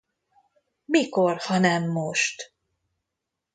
Mikor, ha nem most?